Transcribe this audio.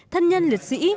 thân nhân liệt sĩ